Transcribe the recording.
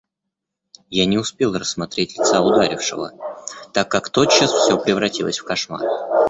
Я не успел рассмотреть лица ударившего, так как тотчас все превратилось в кошмар.